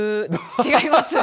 違います。